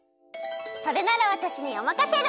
それならわたしにおまかシェル！